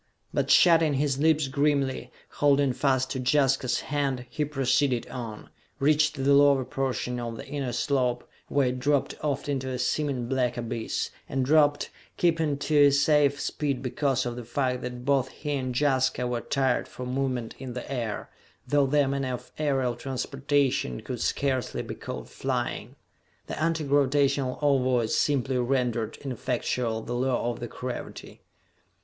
But, shutting his lips grimly, holding fast to Jaska's hand, he proceeded on, reached the lower portion of the inner slope, where it dropped off into a seeming black abyss, and dropped, keeping to a safe speed because of the fact that both he and Jaska were attired for movement in the air though their manner of aerial transportation could scarcely be called flying. The anti gravitational ovoids simply rendered ineffectual the law of gravity.